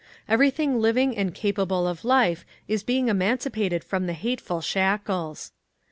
Everything living and capable of life is being emancipated from the hateful shackles.